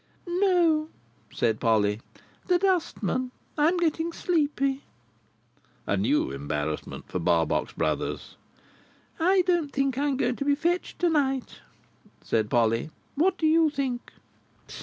"No," said Polly, "the dustman. I am getting sleepy." A new embarrassment for Barbox Brothers! "I don't think I am going to be fetched to night," said Polly; "what do you think?"